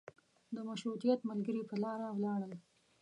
د مشروطیت ملګري په لاره ولاړل.